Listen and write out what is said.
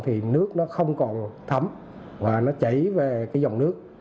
thì nước nó không còn thấm và nó chảy về cái dòng nước